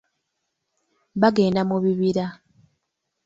Bagenda mu bibira.